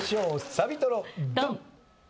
サビトロドン！